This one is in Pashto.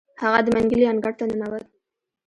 هغه د منګلي انګړ ته ننوت.